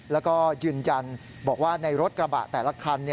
แล้วก็ยืนยันบอกว่าในรถกระบะแต่ละคัน